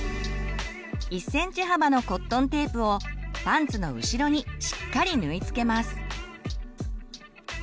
１ｃｍ幅のコットンテープをパンツの後ろにしっかり縫い付けます。